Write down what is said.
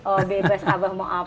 oh bebas abah mau apa